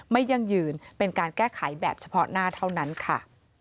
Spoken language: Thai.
ยั่งยืนเป็นการแก้ไขแบบเฉพาะหน้าเท่านั้นค่ะ